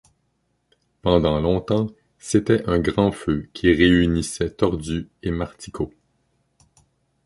Pendant longtemps, c'était un grand feu qui réunissait Tordus et Marticots.